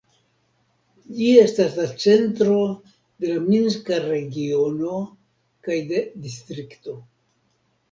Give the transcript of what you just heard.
Ĝi estas la centro de la minska regiono kaj de distrikto.